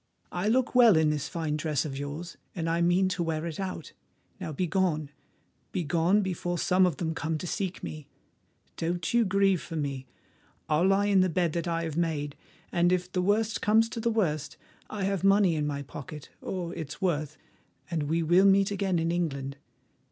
I look well in this fine dress of yours, and I mean to wear it out. Now begone—begone, before some of them come to seek me. Don't you grieve for me; I'll lie in the bed that I have made, and if the worst comes to the worst, I have money in my pocket—or its worth—and we will meet again in England.